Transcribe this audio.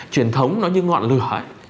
truyền thống nó như ngọn lửa